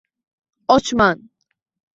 Ochman.